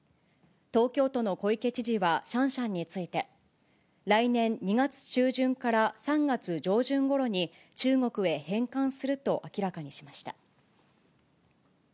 東京都の小池知事はシャンシャンについて、来年２月中旬から３月上旬ごろに中国へ返還すると明らかにしました。